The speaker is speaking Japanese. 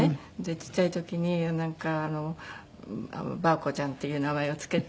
ちっちゃい時にヴァーコちゃんっていう名前をつけて。